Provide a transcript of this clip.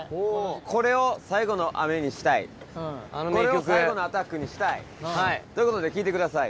これを最後の雨にしたいこれを最後のアタックにしたい。ということで聴いてください。